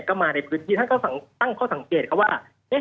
ก็มาในพื้นที่ท่านก็ตั้งข้อสังเกตเขาว่า